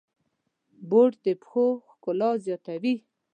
بوټ د پښو ښکلا زیاتوي.